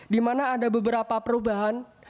dimana ada beberapa perubahan